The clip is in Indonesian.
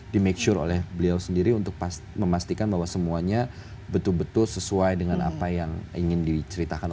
di make sure oleh beliau sendiri untuk memastikan bahwa semuanya betul betul sesuai dengan apa yang ingin diceritakan